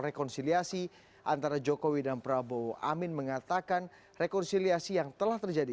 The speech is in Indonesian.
rekonsiliasi antara jokowi dan prabowo amin mengatakan rekonsiliasi yang telah terjadi